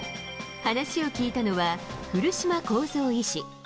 話を聞いたのは、古島こうぞう医師。